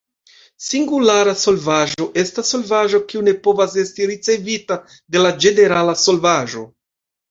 Singulara solvaĵo estas solvaĵo kiu ne povas esti ricevita de la ĝenerala solvaĵo.